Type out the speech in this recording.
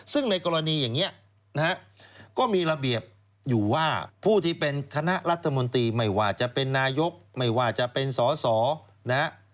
ซึ่งในกรณีอย่างนี้นะฮะก็มีระเบียบอยู่ว่าผู้ที่เป็นคณะรัฐมนตรีไม่ว่าจะเป็นนายกไม่ว่าจะเป็นสอสอนะฮะ